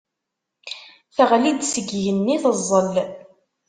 Teɣli-d seg yigenni teẓẓel.